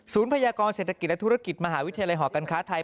พยากรเศรษฐกิจและธุรกิจมหาวิทยาลัยหอการค้าไทย